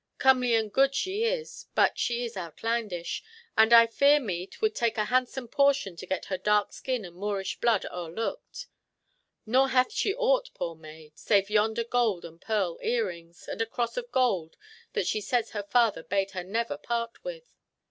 Comely and good she is, but she is outlandish, and I fear me 'twould take a handsome portion to get her dark skin and Moorish blood o'erlooked. Nor hath she aught, poor maid, save yonder gold and pearl earrings, and a cross of gold that she says her father bade her never part with."